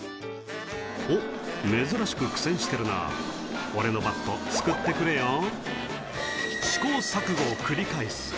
「おっ珍しく苦戦してるな俺のバット救ってくれよ」を繰り返す